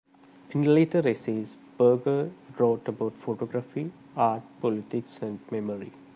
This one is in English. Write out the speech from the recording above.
In later essays, Berger wrote about photography, art, politics, and memory.